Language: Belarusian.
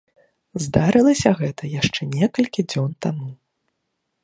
Здарылася гэта яшчэ некалькі дзён таму.